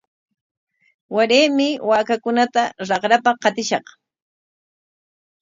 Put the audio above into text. Waraymi waakakunata raqrapa qatishaq.